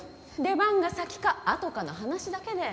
出番が先かあとかの話だけで。